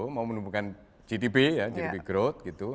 mau menumbuhkan gdp gdp growth